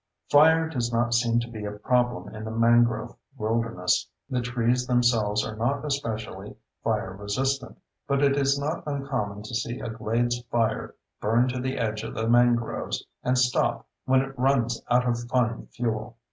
Fire does not seem to be a problem in the mangrove wilderness. The trees themselves are not especially fire resistant, but it is not uncommon to see a glades fire burn to the edge of the mangroves and stop when it runs out of fine fuel.